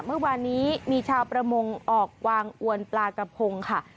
เมื่อวานนี้มีชาวประมงออกวางอวนปลากระพงค่ะ